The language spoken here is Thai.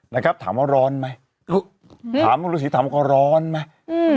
นะครับถามว่าร้อนไหมถามว่าฤษีธรรมก็ร้อนไหมอืม